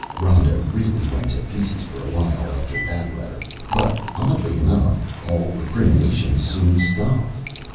Rhoda really went to pieces for a while after that letter but, oddly enough, all recriminations soon stopped.